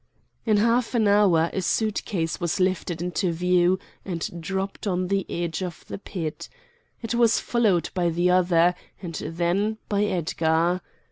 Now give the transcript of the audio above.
In half an hour a suit case was lifted into view and dropped on the edge of the pit. It was followed by the other, and then by Edgar.